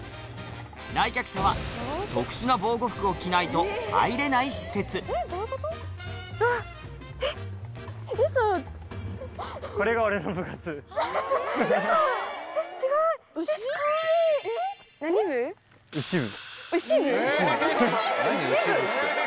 来客者は特殊な防護服を着ないと入れない施設牛部⁉